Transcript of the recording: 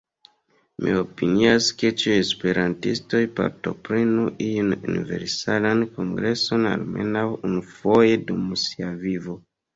Mi opinias ke ĉiuj esperantistoj partoprenu iun Universalan Kongreson almenaŭ unufoje dum sia vivo.